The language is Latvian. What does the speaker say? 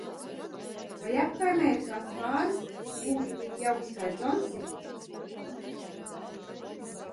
Vai apkaimē ir kāds pāris, kas būtu tik jauks kā Džonsi?